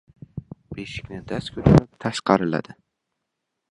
Beshikni dast ko‘tarib tashqariladim.